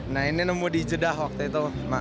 nah ini nemu di jeddah waktu itu